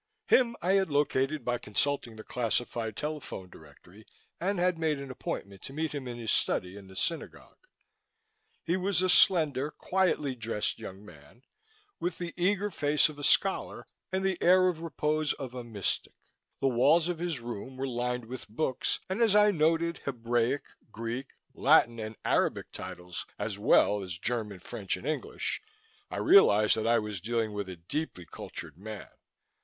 Him I had located by consulting the classified telephone directory and had made an appointment to meet him in his study in the Synagogue. He was a slender, quietly dressed young man, with the eager face of a scholar and the air of repose of a mystic. The walls of his room were lined with books and as I noted Hebraic, Greek, Latin and Arabic titles, as well as German, French and English, I realized that I was dealing with a deeply cultured man.